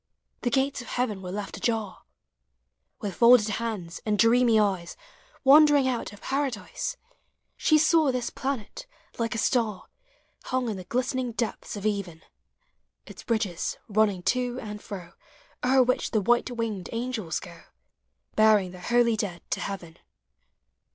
The gates of heaven were left ajar : BABY BELL. i. Digitized by Google ABOUT CHILDREN. With folded hands and dreamy eyes, Wandering out of Paradise, She saw this planet, like a star, 11 ung in the glistening depths of even — Its bridges, running to and fro, O'er which the white winged Angels go, Bearing the holy Dead to heaven.